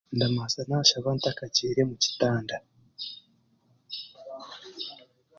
Ndabanza nashaaba ntakagiire mukitanda.